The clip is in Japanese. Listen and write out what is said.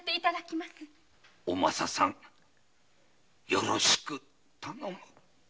お政さんよろしく頼む。